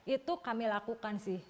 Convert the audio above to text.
itu kami lakukan sih